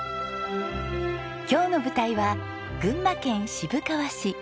今日の舞台は群馬県渋川市。